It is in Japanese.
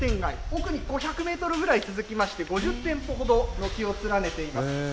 奥に５００メートルぐらい続きまして、５０店舗ほど、軒を連ねています。